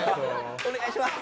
お願いします！